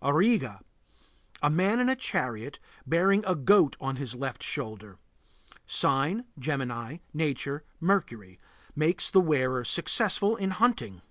AURIGA. A man in a chariot, bearing a goat on his left shoulder. Sign: Gemini. Nature: Mercury. Makes the wearer successful in hunting.